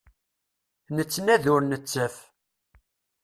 Nettnadi ur nettaf.